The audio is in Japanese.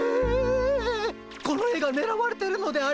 この絵がねらわれてるのでありますか？